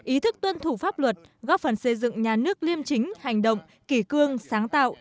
ý thức tuân thủ pháp luật góp phần xây dựng nhà nước liêm chính hành động kỳ cương sáng tạo